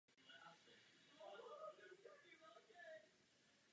Ve skutečnosti se jedná o problém transatlantické spolupráce.